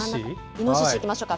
イノシシいきましょうか。